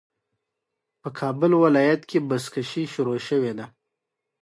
آیا هوټلونه او رستورانتونه نه ډکیږي؟